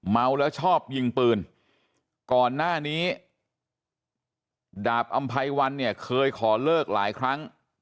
เมาแล้วชอบยิงปืนก่อนหน้านี้ดาบอำไพวันเนี่ยเคยขอเลิกหลายครั้ง